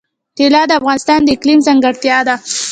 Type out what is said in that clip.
طلا د افغانستان د اقلیم ځانګړتیا ده.